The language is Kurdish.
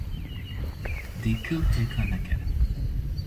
Dîkil hêka neke.